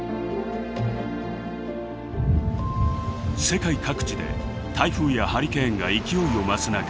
世界各地で台風やハリケーンが勢いを増す中